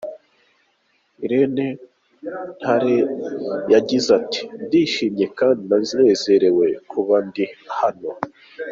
Irene Ntale yagize ati "Ndishimye kandi ndanezerewe kuba ndi hano.